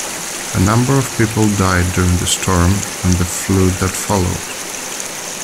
A number of people died during the storm and the flood that followed.